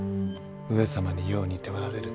上様によう似ておられる。